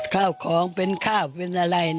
ข้าวของเป็นข้าวเป็นอะไร